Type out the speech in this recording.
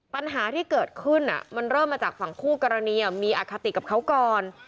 ปัญหาที่เกิดขึ้นมันเริ่มมาจากฝั่งคู่กรณีมีอคติกับเขาก่อน